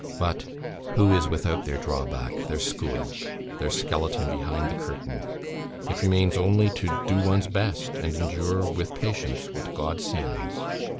But who is without their drawback, their scourge, their skeleton behind the curtain? It remains only to do one's best, and endure with patience what God sends."